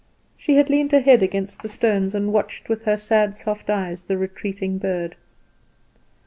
She had leaned her head against the stones, and watched with her sad, soft eyes the retreating bird.